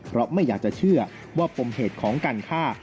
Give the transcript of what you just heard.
เพราะไม่อยากจะเชื่อว่าปมเหตุของการฆ่า